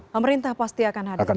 pemerintah pasti akan hadir